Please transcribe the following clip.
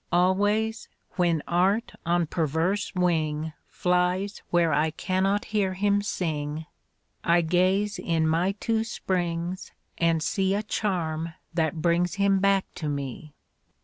Always, when Art on perverse wing Flies where I cannot hear him sing, I gaze in my two springs and see A charm that brings him back to me.